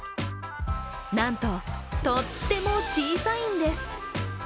なんととっても小さいんです。